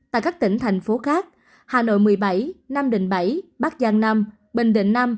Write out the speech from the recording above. tại các tỉnh thành phố khác hà nội một mươi bảy nam định bảy bắc giang nam bình định năm